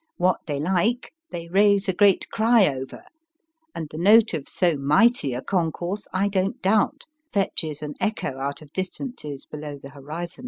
What they like they raise a great cry over, and the note of so mighty a concourse, I don t doubt, fetches an echo out of distances below the horizon.